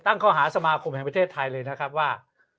ตั้งข้อหาสมาคมแห่งประเทศไทยเลยนะครับว่า